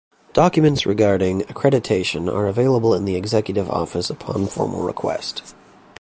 Documents regarding accreditation are available in the Executive Office upon formal request.